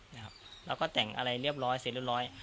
แล้วก็แต่งอะไรเรียบร้อยเสร็จเรียบร้อย